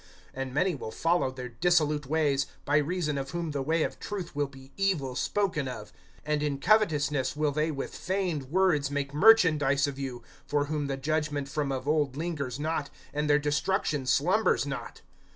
(2)And many will follow their dissolute ways; by reason of whom the way of truth will be evil spoken of. (3)And in covetousness will they with feigned words make merchandise of you; for whom the judgment from of old lingers not, and their destruction slumbers not.